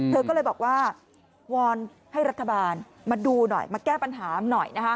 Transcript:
เธอก็เลยบอกว่าวอนให้รัฐบาลมาดูหน่อยมาแก้ปัญหาหน่อยนะคะ